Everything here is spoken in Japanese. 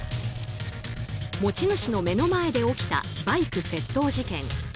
持ち主の目の前で起きたバイク窃盗事件。